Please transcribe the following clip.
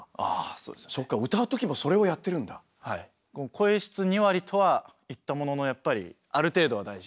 声質２割とは言ったもののやっぱりある程度は大事なので。